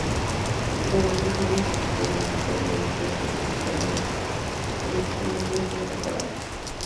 Ganando así la institución los dos torneos de ascenso oficiales en una misma temporada.